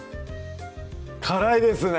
辛いですね！